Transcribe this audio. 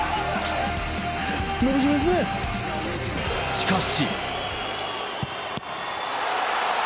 しかし。